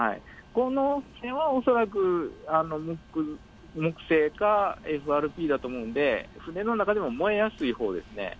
この船は恐らく木製か、ＦＲＰだと思うので、船の中でも燃えやすい方ですね。